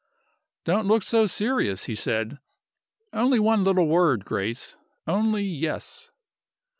"Don't look so serious!" he said. "Only one little word, Grace! Only Yes."